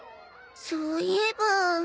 そういえば。